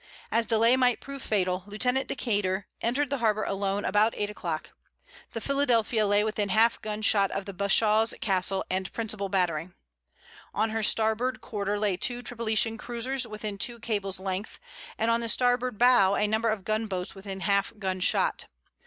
As delay might prove fatal, Lieutenant Decater entered the harbor alone about eight o'clock. The Philadelphia lay within half gun shot of the Bashaw's castle and principal battery. On her starboard quarter lay two Tripolitan cruisers within two cables length; and on the starboard bow a number of gun boats within half gun shot.